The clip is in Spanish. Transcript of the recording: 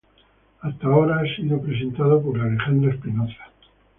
Hasta ahora ha sido presentado por Alejandra Espinoza.